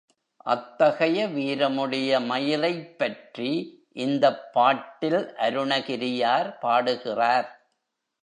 அத்தகைய வீரமுடைய மயிலைப் பற்றி இந்தப் பாட்டில் அருணகிரியார் பாடுகிறார்.